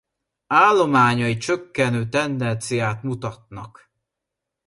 Állományai csökkenő tendenciát mutatnak.